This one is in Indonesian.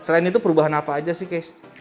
nah selain itu perubahan apa aja sih keysha